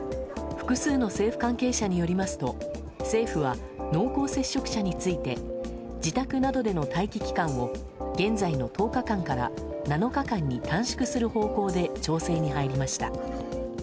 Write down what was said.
複数の政府関係者によりますと政府は濃厚接触者について自宅などでの待機期間を現在の１０日間から７日間に短縮する方向で調整に入りました。